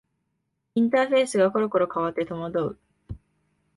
インターフェースがころころ変わって戸惑う